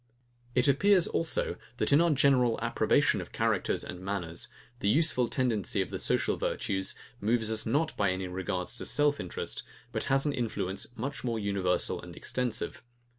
It appears also, that, in our general approbation of characters and manners, the useful tendency of the social virtues moves us not by any regards to self interest, but has an influence much more universal and extensive.